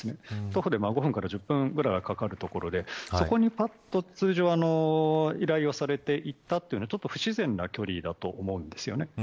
徒歩で１０分ぐらいはかかる所でそこに通常依頼をされて行ったというのはちょっと不自然だと思うんですよね。